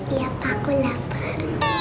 iya pak aku lapar